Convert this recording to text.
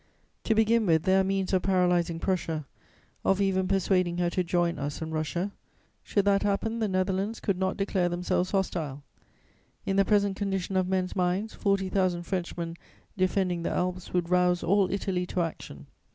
To begin with, there are means of paralyzing Prussia, of even persuading her to join us and Russia; should that happen, the Netherlands could not declare themselves hostile. In the present condition of men's minds, forty thousand Frenchmen defending the Alps would rouse all Italy to action.